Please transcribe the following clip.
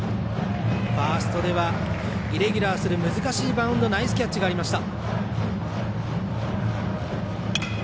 ファーストではイレギュラーする難しいバウンドナイスキャッチがありました。